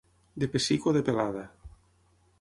De pessic o de pelada.